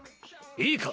いいか！